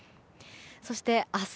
そして明日